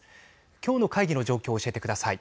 きょうの会議の状況を教えてください。